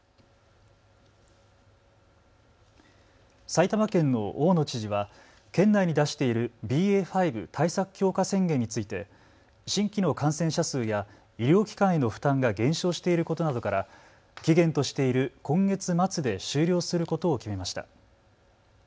埼玉県の大野知事は県内に出しているＢＡ．５対策強化宣言について新規の感染者数や医療機関への負担が減少していることなどから期限としている今月末で終了することを決めました。